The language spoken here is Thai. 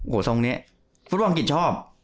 โอ้โหทรงนี้ฟุตบอลอังกฤษชอบ